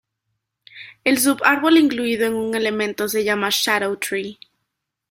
El subárbol incluido en un elemento se llama shadow tree.